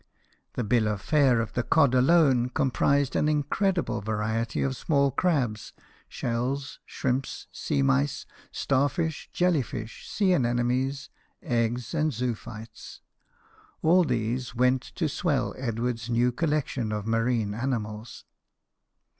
The bill of fare of the cod alone comprised an incredible variety of small crabs, shells, shrimps, sea mice, star fish, jelly fish, sea anemones, eggs, and zoophytes. All these went to swell Edward's new collection of marine animals.